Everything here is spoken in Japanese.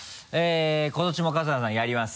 今年も春日さんやります。